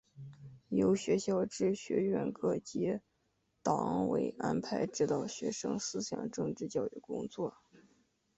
由学校至学院各级党委安排指导学生思想政治教育工作。